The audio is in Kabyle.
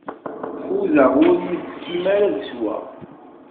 Fudeɣ, ur yi-tefkim ara ad sweɣ.